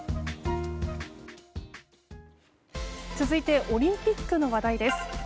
続いてオリンピックの話題です。